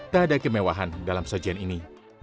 tak ada kemewahan dalam sajian ini